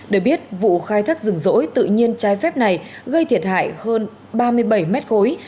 để biết vụ khai thác rừng rỗi tự nhiên trái phép này gây thiệt hại hơn ba mươi bảy mét khối